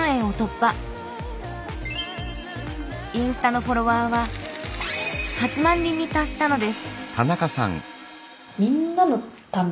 インスタのフォロワーは８万人に達したのです。